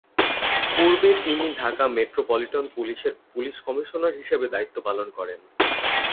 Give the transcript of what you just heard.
পূর্বে তিনি ঢাকা মেট্রোপলিটন পুলিশের পুলিশ কমিশনার হিসেবে দায়িত্ব পালন করেন।